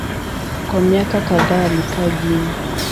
Kwa miaka kadhaa alikaa Guinea.